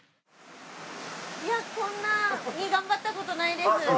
こんなに頑張ったことないです。